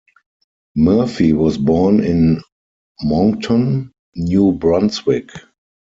Murphy was born in Moncton, New Brunswick.